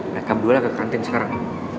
rekam dulu aja ke kantin sekarang